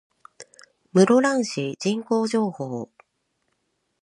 室蘭市人口情報